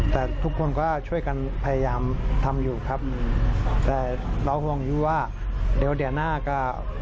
แต่ทุกคนก็ช่วยกันพยายามทำอยู่ครับแต่เราห่วงอยู่ว่าเดี๋ยวเดี๋ยวหน้าก็